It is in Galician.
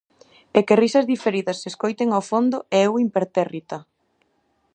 E que risas diferidas se escoiten ao fondo e eu impertérrita.